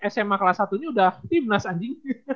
sma kelas satu ini udah timnas anjing